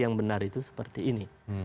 yang benar itu seperti ini